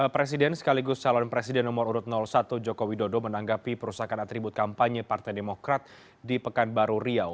presiden sekaligus salon presiden nomor satu joko widodo menanggapi perusahaan atribut kampanye partai demokrat di pekanbaru riau